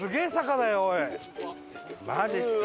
マジっすか。